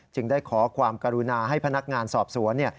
ได้ขอความกรุณาให้พนักงานสอบสวน